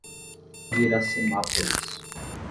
Iracemápolis